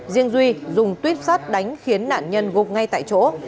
riêng duy dùng tuyết sát đánh khiến nạn nhân gục ngay tại chỗ